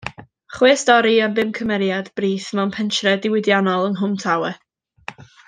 Chwe stori am bum cymeriad brith mewn pentre diwydiannol yng Nghwm Tawe.